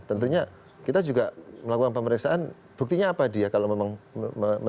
tentunya kita juga melakukan pemeriksaan buktinya apa dia kalau memang